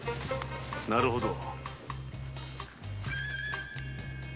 なるほど。